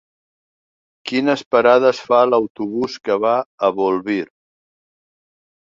Quines parades fa l'autobús que va a Bolvir?